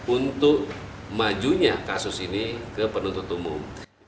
untuk majunya kasus ini ke penuntut umum